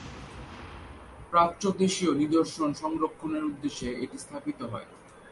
প্রাচ্য দেশিয় নিদর্শন সংরক্ষণের উদ্দেশ্যে এটি স্থাপিত হয়।